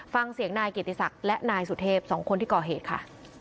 ฟังเสียงนายเกียรติศักดิ์และนายสุเทพสองคนที่ก่อเหตุค่ะ